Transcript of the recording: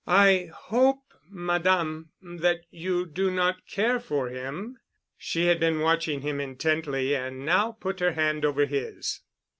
"I hope, Madame, that you do not care for him." She had been watching him intently and now put her hand over his.